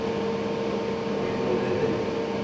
چوئي پيدي تي